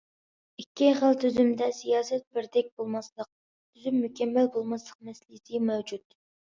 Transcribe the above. ئىككى خىل تۈزۈمدە سىياسەت بىردەك بولماسلىق، تۈزۈم مۇكەممەل بولماسلىق مەسىلىسى مەۋجۇت.